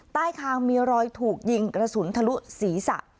ใต้คางมีรอยถูกยิงกระสุนทะลุศีรษะ